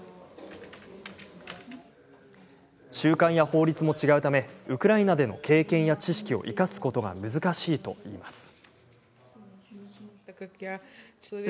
習慣や法律も違うためウクライナでの経験や知識を生かすことが難しいといいます。